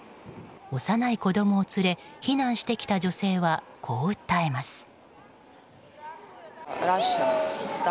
幼い子供を連れ避難してきた女性はこう訴えます。